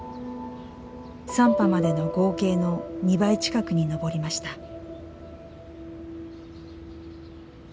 ３波までの合計の２倍近くに上りました。